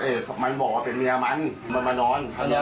ตรงนั้นอ๋ออยู่หลายวันนะ